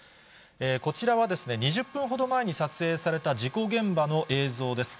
こちらは、２０分ほど前に撮影された事故現場の映像です。